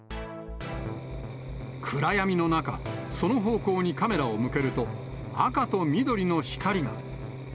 暗闇の中、その方向にカメラを向けると、赤と緑の光が。